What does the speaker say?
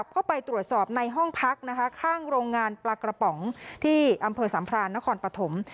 เข้าไปตรวจสอบในห้องพักข้างโรงงานปลากระป๋องที่อำเภอสัมพรานนครปฐม